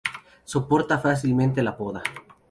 Soporta fácilmente la poda.